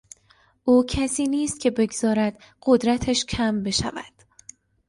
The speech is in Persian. او کسی نیست که بگذارد قدرتش کم بشود.